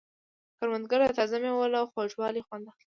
کروندګر د تازه مېوو له خوږوالي خوند اخلي